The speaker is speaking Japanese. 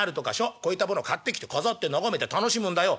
こういったものを買ってきて飾って眺めて楽しむんだよ」。